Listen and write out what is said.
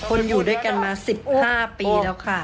คนอยู่ด้วยกันมา๑๕ปีแล้วค่ะ